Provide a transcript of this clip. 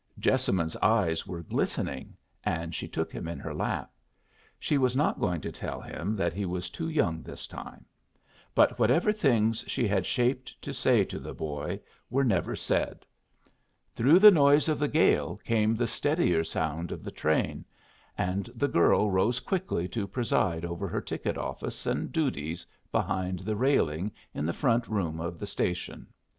Jessamine's eyes were glistening, and she took him in her lap. She was not going to tell him that he was too young this time. But whatever things she had shaped to say to the boy were never said. Through the noise of the gale came the steadier sound of the train, and the girl rose quickly to preside over her ticket office and duties behind the railing in the front room of the station.